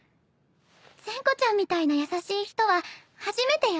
善子ちゃんみたいな優しい人は初めてよ。